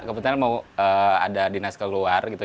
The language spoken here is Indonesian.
kebetulan mau ada dinas keluar gitu